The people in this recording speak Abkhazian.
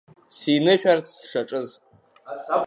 Синышәарц сшаҿыз…